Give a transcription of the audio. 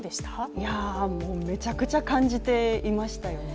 いや、めちゃくちゃ感じていましたよね。